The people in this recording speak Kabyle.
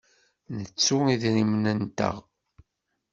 Nettu idrimen-nteɣ.